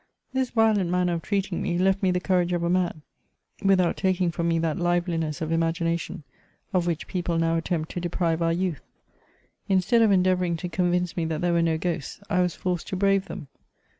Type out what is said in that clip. This violent manner of treating me left me the courage of a man, without taking ftt)m me that liveliness of imagination, of which people now attempt to deprive our youth. Instead of endeavouring to convince me that there were no ghosts, I was forced to brave them.